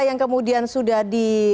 yang kemudian sudah di